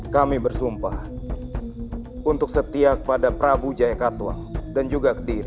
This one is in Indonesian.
kami bersumpah untuk setia kepada prabu jaya katua dan juga kediri